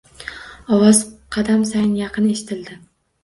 Ovoz qadam sayin yaqin eshitildi.